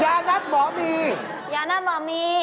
นัดหมอมียานัดหมอมี